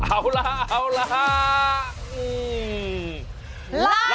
อ๋อเอาล่ะเอาละอืม